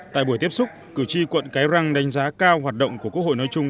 tại buổi tiếp xúc cử tri quận cái răng đánh giá cao hoạt động của quốc hội nói chung